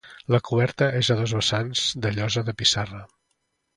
La coberta és a dos vessants, de llosa de pissarra.